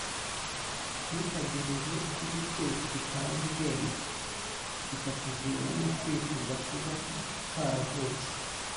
ntukagenze nk’igicucu kitazi ubwenge ,bikakuviramo kwifuza kuba utaravutse,